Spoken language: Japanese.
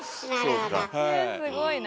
えすごいな。